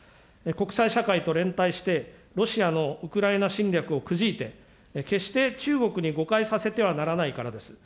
国際社会と連帯して、ロシアのウクライナ侵略をくじいて、決して中国に誤解させてはならないからです。